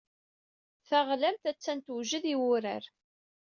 Taɣlamt attan tewjed i wurar.